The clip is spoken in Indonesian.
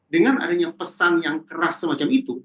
dengan adanya pesan yang keras semacam itu